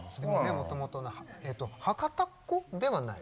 もともとえっと博多っ子ではない？